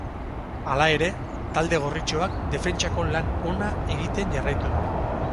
Hala ere, talde gorritxoak defentsako lan ona egiten jarraitu du.